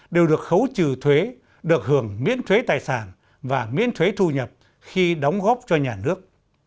đều được khấu trừ thuế được hưởng miễn thuế tài sản và miễn thuế thu nhập khi đóng góp cho nhà nước